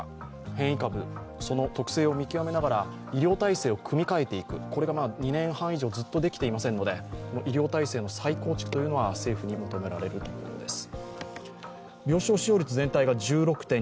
変異株、その特性を見極めながら医療体制を組み替えていく、これが２年半以上、ずっとできていませんので医療体制の再構築が政府に求められるところです。